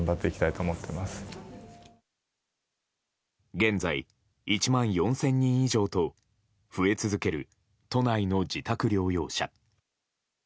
現在、１万４０００人以上と増え続ける都内の自宅療養者。